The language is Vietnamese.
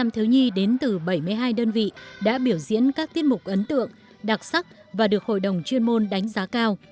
ba bảy trăm linh thiếu nhi đến từ bảy mươi hai đơn vị đã biểu diễn các tiết mục ấn tượng đặc sắc và được hội đồng chuyên môn đánh giá cao